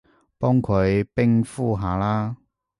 幫佢冰敷下啦